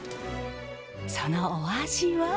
そのお味は。